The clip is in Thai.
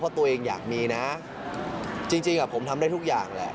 เพราะตัวเองอยากมีนะจริงผมทำได้ทุกอย่างแหละ